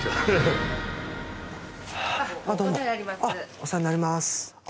お世話になります。